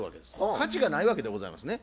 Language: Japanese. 価値がないわけでございますね。